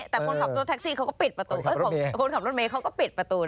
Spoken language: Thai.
แต่คนขับรถเมย์เขาก็ปิดประตู